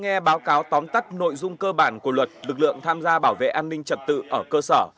nghe báo cáo tóm tắt nội dung cơ bản của luật lực lượng tham gia bảo vệ an ninh trật tự ở cơ sở